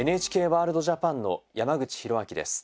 「ＮＨＫワールドＪＡＰＡＮ」の山口寛明です。